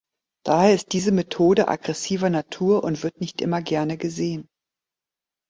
Daher ist diese Methode aggressiver Natur und wird nicht immer gerne gesehen.